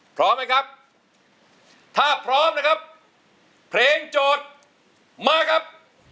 พร้อมไหมครับถ้าพร้อมนะครับเพลงโจทย์มาครับ